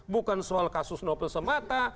bukan soal kasus novel semata